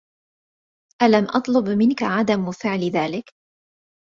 ألم أطلب منك عدم فعل ذلك؟